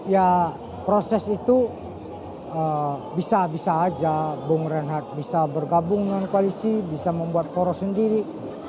ya proses itu bisa bisa aja bung reinhardt bisa bergabung dengan koalisi bisa membuat poros sendiri